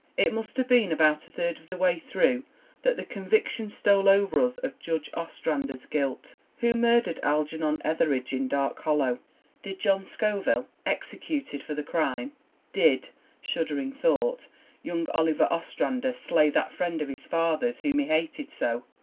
... It must have been about a third of the way through that the conviction stole over us of Judge Ostrander's guilt. Who murdered Algernon Etheridge in Dark 206 THE WOMEN WHO MAKE OUR NOVELS Hollow? Did John Scoville, executed for the crime? Did shuddering thought young Oliver Ostrander slay that friend of his father's whom he hated so?